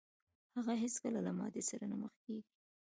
هغه هېڅکله له ماتې سره نه مخ کېږي.